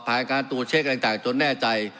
ผ่านการตรวจเช็คต่างจนแน่ใจ